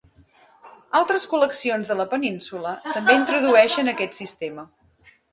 Altres col·leccions de la península també introdueixen aquest sistema.